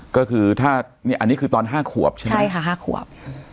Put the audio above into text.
ก็คือถ้าอันนี้คือตอน๕ขวบใช่ไหมใช่ค่ะ๕ขวบ